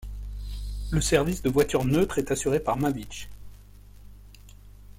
Le service de voitures neutres est assuré par Mavic.